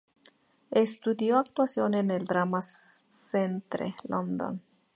Estudió actuación en el Drama Centre London.